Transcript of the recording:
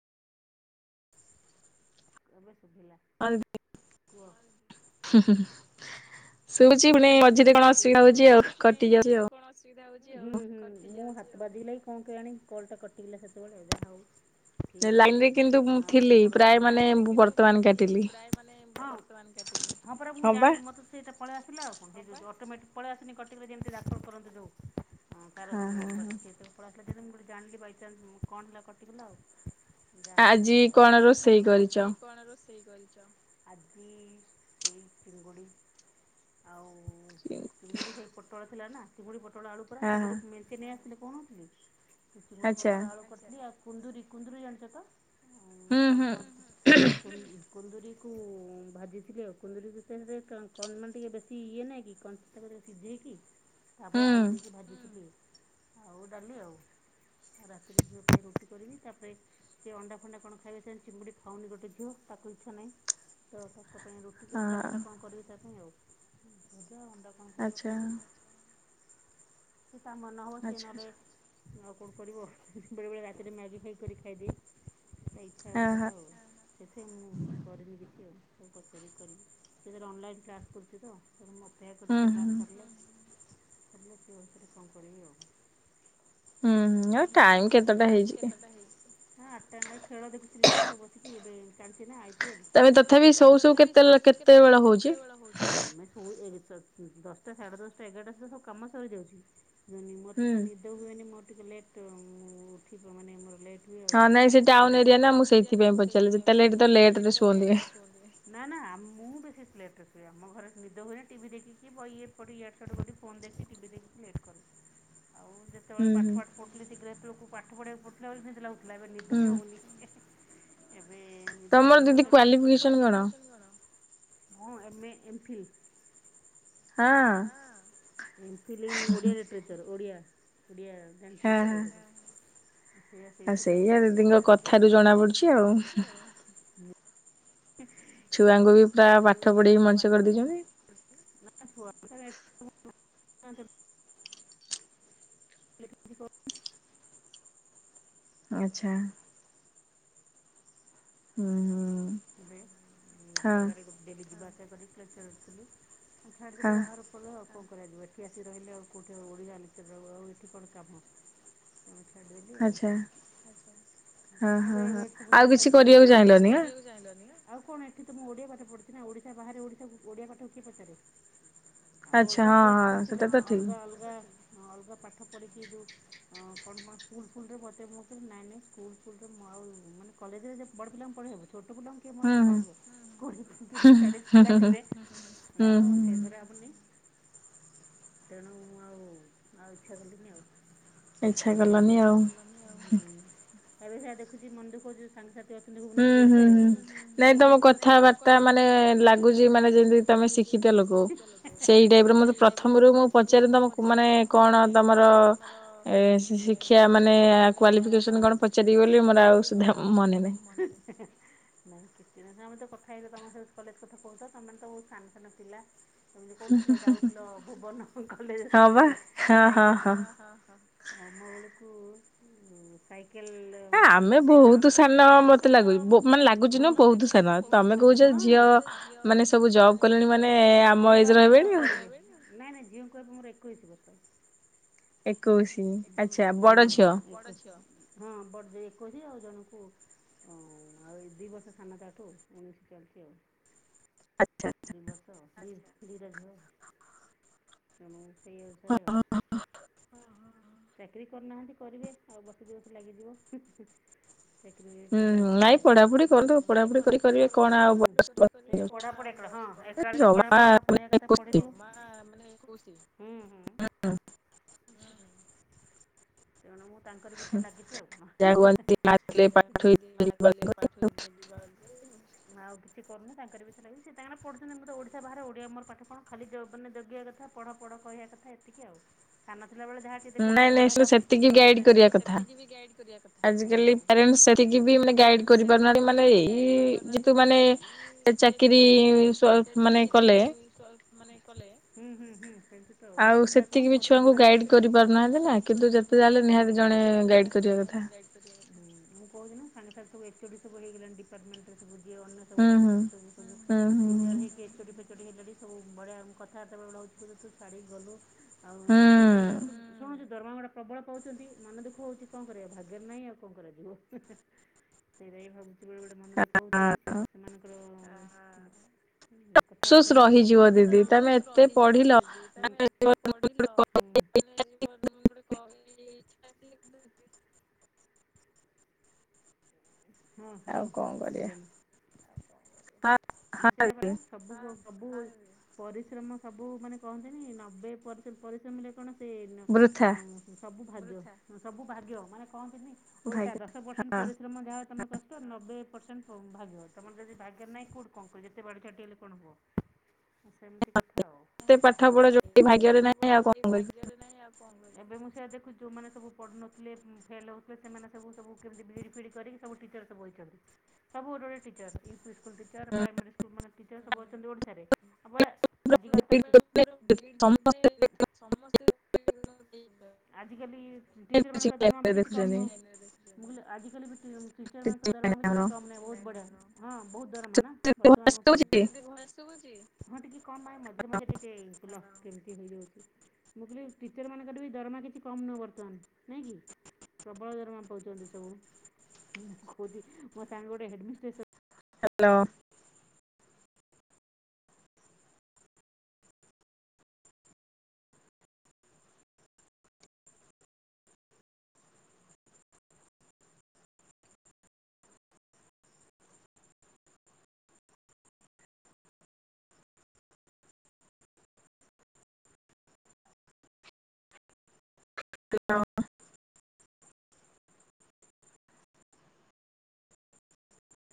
କେବେ [inaudible] ଶୁବୁଛି ପୁଣି ମଝିରେ କଣ ଅସୁବିଧା ହଉଛି ଆଉ କଟି ଯାଉଛି ଆଉ। ହୁଁ ହୁଁ ମୋ ହାତ ବାଜି କଣ କେଜାଣି କଲଟା କଟିଗଲା ସେତେବେଳେ ଆଉ। ଠିକ ଲାଇନ ଅଛି ରେ କିନ୍ତୁ ମୁଁ ଆଉ ଥିଲି ତମର ପ୍ରାୟ ମାନେ ଲାଇନକିନ୍ତୁ ବର୍ତ୍ତମାନ ଥିଲି କାଟିଲି। ପ୍ରାୟ ମାନେ ହଁ। ସମାନ କାଟିିଲି। ହଁ ପରା ମୁଁ ଜାଣିନି ମୋତେ। ପଳେଇ ଆସିଲା ଆଉ କଣ ଅଟୋମଟିକ ପଳେଇ ଆସୁନି କଟିକ କଟିକି ଦାଖଲ କରନ୍ତି ଯଉ। ହଁ ତାର ସବୁ ବାକି ସେଇ ତ। [unintelligible] ମୁଁ ଯେମତି ଜାଣିଲି ବାଇ ଚାନ୍ସ କଣ ହେଲା କଟିଗଲା ଆଉ। ଯାହେଲା ଆଜି ହେଲା ଆଉ କଣ ରୋଷେଇ ଦେଖାଯାଉ କରିଛ? ଆଜି କଣ ରୋଷେ ସେଇ କରିଛ। ଆଜି ସେଇ ଚିଙ୍ଗୁଡି। ଆଉ। ହଁ ଚିଙ୍ଗୁଡ଼ି ସେଇପୋଟଳ। ଥିଲା ନା ସେଭଳି। [unintelligible] ପୋଟଳ ଆଳୁ ପୁରା ସେ ହଁ ମେଞ୍ଚେ [unintelligible] ନେଇ ଆସିଥିଲେ। କଣଥିଲା [unintelligible] କି ଚିଙ୍ଗୁଡି ଆଚ୍ଛା। ପୋଟଳ ଆଳୁ କଷି ଦିଏ ଆଉ। କୁନ୍ଦୁୁରୀ କୁନ୍ଦୁରି ଜାଣିଛ ତ। ହୁଁ କଣ ହୁଁ କଣ ହୁ କୁନ୍ଦୁୁରି କୁ ଭାଜିଥିଲେଉ କୁନ୍ଦୁରକୁ ସେରେ [unintelligible] ଟିକେ ସିଝେଇକି ତାପରେ ଆଳୁ ହୁଁ। ଦେଇକି ଭାଜିଥିଲି। ଆଉ ଡାଲି ଆଉଉ ରାତିରେ ରୁଟି କରିବି ତାପରେ ସେ ଅଣ୍ଡା ଫଣ୍ଡା କଣ ଖାଇବେ ସେ ଚିଙ୍ଗୁଡ଼ି ଖାଉନି ଗୋଟେ ଝିଅ ତାକୁ ଇଚ୍ଛା ନାହିଁ ତ ତା ତାଙ୍କ ପାଇଁ ରୁଟି କି ଅଣ୍ଡା ହଁ ଫଣ୍ଡା କଣ କରିବି ତା ହ ଅଣ୍ଡା କଣ କରିବ ଆଚ୍ଛା ଖାଇବ। ସି ତା ମନ ହବ ନହେଲେ ସ୍ ଏ ଆଚ୍ଛା ନଲେ ଆଉ କଣ କରିବ ବେଳେ ବେଳେ ରାତିରେ ମ୍ୟାଗି ଖାଇ କରି ଖାଇଦିଏ। ସେ ଇଚ୍ଛା ହଁ ହବ ହଁ। ଯାହା ହଉ ସେଥିପାଇଁ ମୁଁ କରିନି କିଛି ଆଉ। ସବୁ ପଚାରିକି କରିବି ସେଥିରେ ଅନଲାଇନ୍ କ୍ଲାସ୍ କରୁଛି ତେଣୁ ମ ହୁଁ ସେପଚ ହୁଁ କ୍ଳାସରିଲ ଖରିଲ ସେ ଅବସାରେ କଣ କରିବି ଆଉ। ହୁଁ ହୁଁ ଆଉ ଟାଇମ ହେଲା। ଆଉ କେତେଟା ଟାଇମ୍ ହେଇଚିକି କେତେଟା ହେଇଯିବ। ହଁ ଆଠଟାଁ ନାଇଁ ଖେଳ ଦେଖୁଥିଲେ ତ ବସିକି ଏବେ ଚାଲିଛି ନା ଆଇ ପି ଏଲ୍। ତମେ ତଥାପି ତମେ ସୋଉ ସୋଉ ତଥାପି କେତେ ଶୋଉ ଶୋଉ କେତେବେଳ ହଉଛି? [unintelligible] ଆମେ ସୋଉ ଏ ଦଶଟା ସାଢ଼େ ଦଶଟା ଏଗାରଟା ସୁଧା ସବୁ କାମ ସରିଯାଉଛି। ଯ ମତେ ହୁଁ। ତ ନିଦ ହୁଏନି ମ ଟିକେ ଲେଟ୍ ମୁଁ ଉଠିବ ମାନେ ମୋର ଲେଟ୍ ହଁ ନାଇଁ ସେ ନ ଟାଉନ ନାଇଁ ସେ ଏରିଆ ନା ମୁଁ ଟାଉନ ଏରିଆ ନା ସେଇଥିପାଇଁ ମୁଁ ପଚାରିଲି ସେଇଥିପାଇଁ ଯେତେ ଲେଟ୍ ତ ପଚାରିଲି ଏ ଲେଟ ରେ ଲଟେ ଶୁଅନ୍ତି। ରେ ଶୁଅନ୍ତି। ନା ନା ମୁଁ [unintelligible] ଆମ ଘରେ ନିଦ ହୁଏନି ଟିଭି ଦେଖିକି ବହି ଏପଟେ ଇଆଡ଼ ସିଆଡେ ଫୋନ୍ ଦେଖି ଟିଭି ଦେଖିକି ଲେଟ୍ କରୁ ଆଉ ଯେତେବେଳେ ହୁଁ ହୁଁ। ପାଠ ପାଠ ପଢ଼ୁଥିଲି ଶୀଘ୍ର ଲୋକ ପାଠ ପଢିବାକୁ ବସିଲା ବେଳକୁ ମୁଁ ବୁଲାବୁଲ ଆଲ ବା ନିଦ ହୁଁ। ବି ହଉନି ତମର ଦିଦି ତେଣୁ କ୍ଵାଲିଫିକେସନ କଣ? କ୍ୱାଲିଫିକେସନ୍ ହଁ ଏମ ଏମ୍ଫିଲ୍ ହଁ। M Phil in Odia literature Odia Odia ହଁ ହଁ। [unintelligible] ସେଇଆ ସେଇଥିରେ ଆଉ ସେଇଆ ଦିଦିଙ୍କ କଥାରୁ ଜଣା ପଡୁଛି ଆଉ। [unintelligible] ଛୁଆଙ୍କୁ ବି ପୁରା ପାଠ ପଢେଇ ମଣିଷ ପାଠ ପଢିକି କରିଦେଇଛନ୍ତି। [unintelligible] [unintelligible] ଆଚ୍ଛା। ହୁଁ ହୁଁ। [unintelligible] ହଁ ତାପରେ ଡେଲି ଯିବା [unintelligible] ମୁଁ ଛାଡିଥିଲି ହଁ ବାହାର [inaudible] ଆଉ। କଣ କରାଯିବ ଏଠି ଆସି ରହିଲେ ଆଉ କୋଉଠି ଆଉ ଓଡ଼ିଆ ଲିଟେରଚର ଆଉ ଏଠି କଣ କାମ ତ ଡେଲି ଆଉ ଆଚ୍ଛା। ଆଚ୍ଛା ହଁ ହଁ ହଁ ଆଉ କିଛି କରିବାକୁ ଚାହିଁଲନି ଆଁ ଆଉ [unintelligible] ଆଉ କଣ ଏଠି ତ ମୁଁ ଓଡିଆ ପାଠ ପଢୁଛି ନା ଓଡିଶା ବାହାରେ ଓଡିଶା ଓଡିଆ ପାଠକୁ କିଏ ପଚାରେ? ଆଉ ଆଚ୍ଛା ଅଲଗା ହଁ କୋର୍ସ ହଁ କରିଥିଲେ ସେଟା ତ ଠିକ। ଅଲଗା ଅଲଗା ଅଲଗା ପାଠ ପଢ଼ିକି ଯୋଉ କଣ କଣ ସ୍କୁଲ୍ ଫୁଲରେ ବତେ ମୁଁ କହିଲି ନାଇଁ ନାଇଁ ସ୍କୁଲ ଫୁଲରେ ମୁଁ ଆଉ ମାନେ କଲେଜରେ ଯେ ବଡ ପିଲାଙ୍କୁ ପଢ଼େଇ ହେବ ବୁଲ କିଏ ମୋର ହୁଁ ହୁଁ ସମ୍ଭାଳିବ? [inaudible] ଚାଳିଶ ପିଲା ଥିବେ ହୁଁ ହୁଁ ଆଉ ସେଗୁରା ହବନି ତେଣୁ ମୁଁ ଆଉ ଆଉ ଇଚ୍ଛା କଲିନି ଆଉ। ଇଚ୍ଛା ପିଲା କଲନି ଇଚ୍ଛା ଆଉ। କଲନି ଆଉ। ଆରେ ସେଇଆ ଦେଖୁଛି ମନ ଦୁଃଖ ହଉଚି ସାଙ୍ଗସାଥି ଅ ହୁଁ ହୁଁ ହୁଁ ହୁଁ ନାଇଁ ସବୁ ତମ ଲେକ୍ଚରର ସବୁ ନାଇଁ ତମ କଥାବାର୍ତ୍ତା ମାନେ କଥାବାର୍ତ୍ତା ମାନେ ଲାଗୁଛି ମାନେ ଲାଗୁଛି ଯେମିତି ମାନେ ତମେ ଯେମତି ଶିକ୍ଷିତ ତମେ ଲୋକ। ଶିକ୍ଷିତ ଲୋକ ସେଇ ଟାଇପର ମତେ ସେଇ ଟାଇପର ପ୍ରଥମରୁ ମତେ ମୁଁ ପ୍ରଥମରୁ ପଚାରେ ମୁଁ ତମକୁ ପଚାରେ ମାନେ ତମକୁ କଣ ମାନେ ତମର କଣ ତମର ଶିକ୍ଷା ମାନେ କ୍ୱାଲିଫିକେସନ କଣ ପଚାରିବି ବୋଲି ମୋର ଆଉ ସୁଧା ମ [inaudible] କେତେ କଥା ହେଇ ତମ ସ କଲେଜ କଥା କହୁଛ ତମେ ତ ବହୁତ ସାନ ସାନ ପିଲା କହୁନଥିଲ ଯାଉଥିଲ ଭୁବନ କଲେଜ ସ୍କୁଲରେ ହଁ ବା ସାଇକେଲରେ ହଁ ହଁ ହଁ ମ ବେଳୁକୁ ସାଇ କେଲ ଆ ଆମେ କଲ ସାଇକେଲ ବହୁତ ଆମେ ସାନ ବହୁତ ମତେ ସାନ ଲାଗୁଛି ମାନେ ଲାଗୁଛି ନା ମାନେ ବହୁତ ଲାଗୁଛି ସାନ ନୁହଁ ବହୁତ ତମେ କହୁଛ ସାନ ଝିଅ ହଁ ଝିଅ ମାନେ ସବୁ ଜବ୍ ମାନେ କଲେଣି ସବୁ ଜବ୍ କଲେଣି ଆମ ମାନେ ଏଜର ହେବେଣି ଜବ୍ ଆଉ। କରିନି ଝିଅଙ୍କର ମୋର ଏକୋଇଶ ବର୍ଷ ଏକୋଇଶି ଆଚ୍ଛା ଏକୋଇଶି ବଡ ହଁ ଝିଅ। ଆଚ୍ଛା ବଡ ଝିଅ ହଁ ବ ଏକୋଇଶି ଆଉ ଜଣଙ୍କୁ ଆଉ ଏ ଦି ବର୍ଷ ସାନ ତାଠୁ ଉଣେଇଶ ଚାଲିଚି ଆଉ ଆଚ୍ଛା। ଦି ବର୍ଷ ଆଉ ଦିଇଟା ଝୁଅ ସେଇଉଷରେ ଆଉ ଚାକିରୀ କରିନାହାନ୍ତି କରିବେ ଆଉ ବସିଛି ବସ ଲାଗିଯିବ ହୁଁ ନାଇଁ ପଢାପଢି କରୁ ପଢାପଢି କରି କରିବେ କଣ ଆଉ ଚାକିଲାଉ ସେ ମୁ ତାଙ୍କର ବି ଇଚଛା ଲାଗିଛି ଆଉ କଣ ଆଉ କିଛି କରୁନ େଶ ଲାଗି ସେ ତାଙ୍କ ପଢୁଛନ୍ତି ମୁଁ ତ ଓଡ଼ିଶା ବାହାରେ ଓଡ଼ିଆ ମୋର ପାଠ କଣ ଖାଲି ମାନେ ଜଗିବା କଥାଢ଼ ପଢ଼ କହିବା କଥା ଏତିକି ଆଉାନ ଥିଲାବେଳେ ଯାହାକି ଦେୁଥିଲି ନାଇଁ ବଡ଼ ନାଇଁ ହେଲା ପରେ ସେତିକି ଗାଇଡ କରିବା କଥା। ସେତିକି ବି ଗାଇ କରିବା କଥା ଆଜିକାଲି ପ୍ୟାରେଣ୍ଟସ ସେତିକି ବି ଆିକାଲି ମାନେ ଗାଇଡ ପ୍ୟଣ୍ଟ ସେତିକି କରିପାରୁନାହାନ୍ତି ବି ମାନେ ଏଇ ଗାଇଡ କରିପାରୁନାହାନ୍ତି ଯେହେତୁ ମାନେ ଏଇ ଯେେତୁ ଚାକିରି ମାନେ ସେ ମାନେ ଚାକିରି କଲେ ମାନେ କଲେୁଁ ହୁଁ ସେମତି ତ ଆଉ ମୁଁ ସେ ସେତିକି କହୁନି ବି ମୋ ସଙ୍ଗି ଛୁଆଙ୍କୁ ଗାଇଡ କରିପାରୁନାହାନ୍ତି ନା କିନ୍ତୁ ଯେତେ ଯାହାହେଲେ ନିହାତି ଜଣେ ଲେ ଗାଇଡ ନିହା କରିବା କଥା। ଜଣେ କ ସାଙ୍ଗେ ସ ଏଚଓ ସୁ ହେଇଗ ଡିପାର୍ମେଣ୍ଟରେ ସ ଅନ୍ୟ ସବୁ ହୁଁ ହୁଁ ସାଙ୍ଗଥି ସବୁ ହୁଁ ହୁଁ ହୁଁ ସିନିୟର ହେଇକି ଏଚ ଚଟି ହେଲେଟି ସବୁ ଭଳିଆ କଥାବାର୍ତେବେଳେ ହେଉୁ ତୁ ଛାଡ଼ି ଗଲୁ ଆଉ ହୁଁ। ଏତେ ମାନେ ସବୁ ଧର୍ମା ପ୍ରବଳ ପାଉଛନ୍ତି ମନ ଦୁଃଖ ହଉଛି କଣ କରିବା ଭାଗ୍ୟରେ ନାହିଁ ଆଉ କଣ କରିବା ଯିବ ସେଇଟ ଭାବ। କିବେଳେ ବୋଡେ ମନ ଦେୁଖ ହଉଛି ସେମାନଙ୍କର। ଅଫସୋସ କଥାବ୍ରାତା ହେଲେ ସବୁ ରହିଯିବ ଦିଦି ତମେ ଅବଶୋଷ ଏତେ ରହିଯିବ ପଢିଲ ଦିଦି ତମେ ଏତେ ପଢିଲ ମାନେ ଯିବ [inaudible] ଇଛା ହଁ ଆଉ ହ୍ୟାଲୋ କଣ କରିବା ସୁଵିଲାନି। ହଁ ନା ହଁ ସେପରା ସୁବୁ ପରିଶ୍ରମ ସବୁ ମାନେ କହନ୍ତିନି ନବେ ପରସେଣ୍ଟ ପରିଶ୍ରମ ହେ କଣ। ସେ ବୃଥା। ସବୁ ସବୁ ଭାଗ୍ୟ ମାନେ ପହଞ୍ଚି ଓଲଟା ଭାଗ୍ୟ ଦଶ ପରର୍ସେଣ୍ଟ ହଁ ପରେ। ମ ଯାହା ତମେ କଷ୍ଟ ନବେ। ପ୍ରସେଣ୍ଟ ଭାଗ୍ୟ ତମର ଯଦି ଭାଗ୍ୟ ନହିଁ କଉଠି କଣ କରିବ ଯେତେ ବାଡି ଛାଟି ହେଲେ କଣ ହବ। ସେମିତି କଥା ଆଉ। ଏତେ ପାଠ ପଢା ଯୋଉଠି ଭାଗ୍ୟରେ ନାହିଁ ଆଉ କଣ କରିବୁ ସେ ଦେଖୁ ଯୋଉମାନେ ସବୁ ପଢୁନଥିଲେ ଫେଲ୍ ହେଉଥିଲେ ସେମାନେ ସବୁ ସବୁ କେମିତି ବିଡି ଫିଡ଼ କରି ସବୁ ଟିଚର ସବୁହେଇଛନ୍ତି ସବୁ ଗୋଟେ ଗୋଟି ଟିଚର ଟିଚର ପ୍ରାଇମେରୀ ସ୍କୁଲ ସବୁ ଅଛନ୍ତି ଓଡ଼ିଶାରେ [inaudible] ଆଜିକାଲି ସମସ୍ତେ ଟିଚର ମାନଙ୍କ ଦରମା ବି କିଛି କମ ଦେଖୁଛନ୍ତି। ନୁହେଁ। ଟିଚର ମନଙ୍କ ଦରମା ବି କିଛି କମ ନାହିଁ ବହୁତ ବଢିଆ ନହଁ। ହଁ ବହୁତ ଦରମା ନା ବର୍ତ୍ତମାନ ସମୟରେ। ହଁ ଟିକେ କଣ ମଝିରେ ମଝରେ ଟିକେ ଉଲମ୍। କେମିତି ହେଇଯାଉଛି ମୁଁ କହିଲି ଟିଚର ମାନଙ୍କର ବି ଦରମା କିଛି କମ୍ ନୁହେଁ ବର୍ତ୍ତମାନ ନାହିଁକି ପ୍ରବଳ ଦରମା ପାଉଛନ୍ତି ସବୁ। କହୁଛି ମୋ ସାଙ୍ଗ ଗୋଟେ ହେଡ ମିଷ୍ଟ୍ରେସ ଅଛି। ହ୍ୟାଲୋ। [unintelligible]